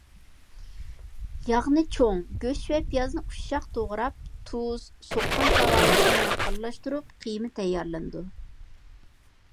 ياغنى چوڭ، گۆش ۋە پىيازنى ئۇششاق توغراپ، تۇز، سوققان كاۋاۋىچىن بىلەن ئارىلاشتۇرۇپ قىيما تەييارلىنىدۇ.